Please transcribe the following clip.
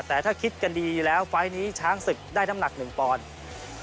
แต่ถ้าคิดกันดีแล้วไฟล์นี้ช้างศึกได้น้ำหนัก๑ปอนด์